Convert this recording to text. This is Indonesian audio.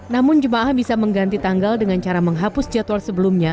namun jemaah bisa mengganti tanggal dengan cara menghapus jadwal sebelumnya